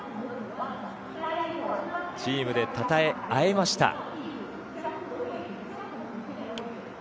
チームでたたえ合いました。